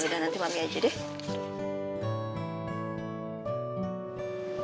sudah nanti mami aja deh